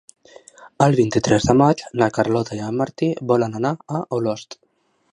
El vint-i-tres de maig na Carlota i en Martí volen anar a Olost.